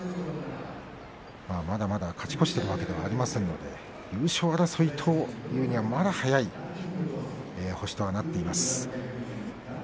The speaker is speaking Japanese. まだまだ勝ち越しているわけではありませんので優勝争いにはまだ早い星とはなっています。